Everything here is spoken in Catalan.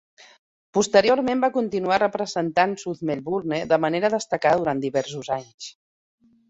Posteriorment va continuar representant South Melbourne de manera destacada durant diversos anys.